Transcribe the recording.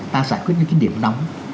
ta giải quyết những cái điểm nóng